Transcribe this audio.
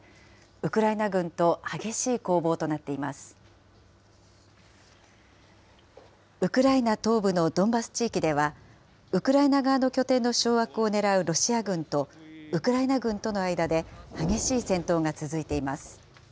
ウクライナ東部のドンバス地域では、ウクライナ側の拠点の掌握をねらうロシア軍と、ウクライナ軍との間で激しい戦闘が続いています。